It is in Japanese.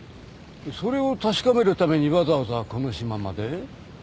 それを確かめるためにわざわざこの島まで？